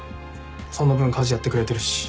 その分家事やってくれてるし。